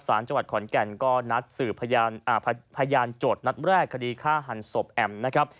สารจังหวัดขอนแก่นก็นัดสืบพยานโจทย์นัดแรกคดีฆ่าหันศพแอมนะครับ